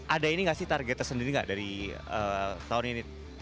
ada ini nggak sih target tersendiri nggak dari tahun ini